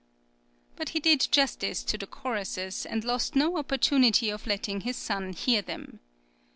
But he did justice to the choruses, and lost no opportunity of letting his son hear them.